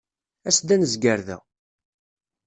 As-d ad nezger da.